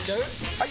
・はい！